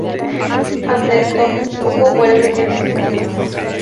Ante esto, Hugo vuelve pensativo.